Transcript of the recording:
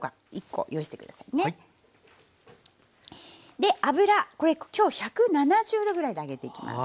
で油これ今日１７０℃ぐらいで揚げていきます。